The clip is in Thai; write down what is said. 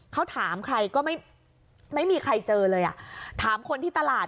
เขาถามใครก็ไม่ไม่มีใครเจอเลยอ่ะถามคนที่ตลาด